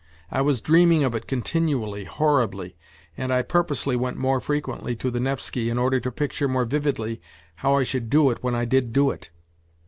I was dreaming of it continually, horribly, and I purposely went more frequently to the Nevsky in order to picture more vividly how I should do it when I did do it.